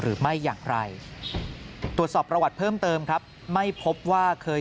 หรือไม่อย่างไรตรวจสอบประวัติเพิ่มเติมครับไม่พบว่าเคย